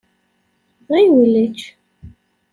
Ɣiwel ečč.